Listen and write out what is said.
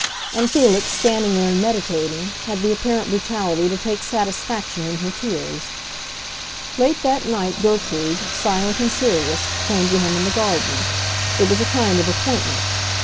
And Felix, standing there and meditating, had the apparent brutality to take satisfaction in her tears. Late that night Gertrude, silent and serious, came to him in the garden; it was a kind of appointment.